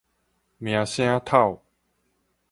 名聲敨